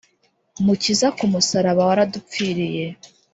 Mukiza, ku musaraba, waradupfiriye: